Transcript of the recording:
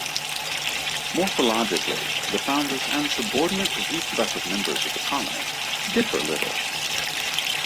Morphologically, the foundress and subordinate reproductive members of the colony differ little.